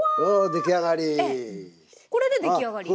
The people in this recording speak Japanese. これで出来上がり？